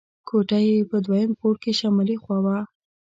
کوټه یې په دویم پوړ کې شمالي خوا وه.